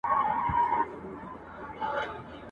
چي څوک روژه خوري ورته ګوري دوږخونه عذاب !.